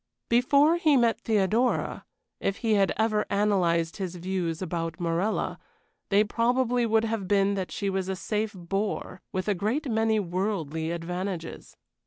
Before he met Theodora, if he had ever analyzed his views about Morella, they probably would have been that she was a safe bore with a great many worldly advantages.